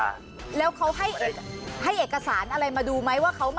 สวัสดีครับ